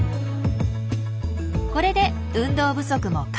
これで運動不足も解消！